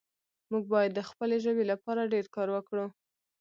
موږ باید د خپلې ژبې لپاره ډېر کار وکړو